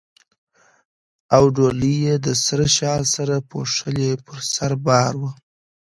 او ډولۍ یې د سره شال سره پوښلې پر سر بار وه.